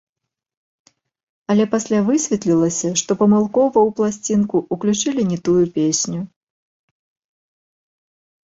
Але пасля высветлілася, што памылкова ў пласцінку ўключылі не тую песню.